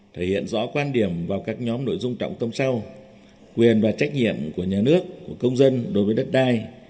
thể hiện rõ quan điểm vào các nhóm nội dung trọng tâm sau quyền và trách nhiệm của nhà nước của công dân đối với đất đai